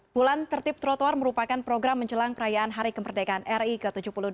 bulan tertib trotoar merupakan program menjelang perayaan hari kemerdekaan ri ke tujuh puluh delapan